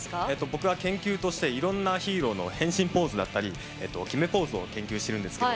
僕は研究としていろんなヒーローの変身ポーズだったり決めポーズを研究してるんですけど。